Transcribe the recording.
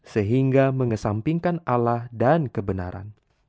sehingga mengesampingkan ala dan kebenaran